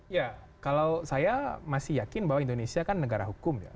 ya kalau saya masih yakin bahwa indonesia kan negara hukum ya